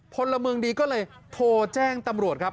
พลเมืองดีก็เลยโทรแจ้งตำรวจครับ